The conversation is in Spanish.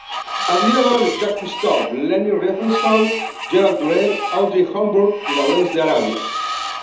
Admiradora de Jacques Cousteau, Leni Riefenstahl, Gerald Durrell, Audrey Hepburn y Lawrence de Arabia.